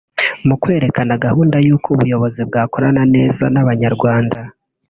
mu kwerekana gahunda y’uko ubuyobozi bwakorana neza n’abanyarwanda